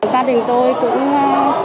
gia đình tôi cũng